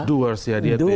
doers ya dia itu ya